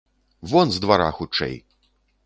Вон з двара хутчэй!